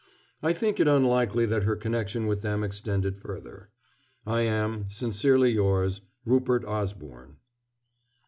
I think it unlikely that her connection with them extended further. I am, Sincerely yours, RUPERT OSBORNE.